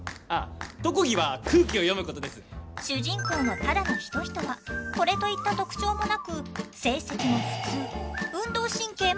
主人公の只野仁人はこれといった特徴もなく成績も普通運動神経も普通。